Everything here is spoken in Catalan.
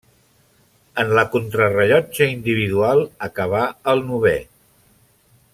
En la contrarellotge individual acabà el novè.